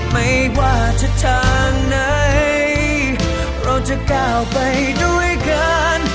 ไม่ว่าทิศทางไหนเราจะก้าวไปด้วยกัน